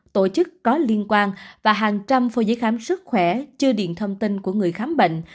tổ chức có liên quan và hàng trăm phô giấy khám sức khỏe chưa điện thông tin của người khám bệnh